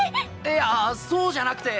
いやそうじゃなくて。